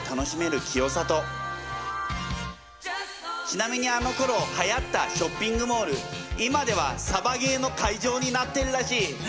ちなみにあのころはやったショッピングモール今ではサバゲーの会場になってるらしい。